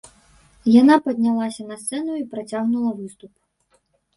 Яна паднялася на сцэну і працягнула выступ.